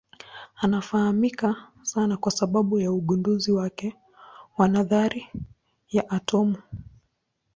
Anafahamika sana kwa sababu ya ugunduzi wake wa nadharia ya atomu.